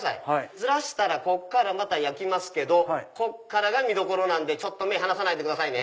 ずらしたらこっからまた焼きますけどこっからが見どころなんで目離さないでくださいね。